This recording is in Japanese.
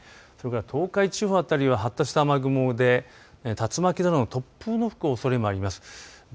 東海地方辺りの発達した雨雲で竜巻などの突風が吹くおそれがあります。